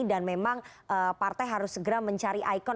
dan memang partai harus segera mencari ikon